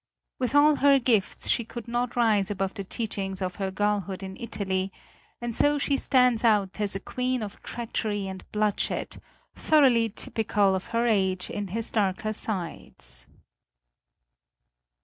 With all her gifts she could not rise above the teachings of her girlhood in Italy, and so she stands out as a queen of treachery and bloodshed, thoroughly typical of her age in its darker sides.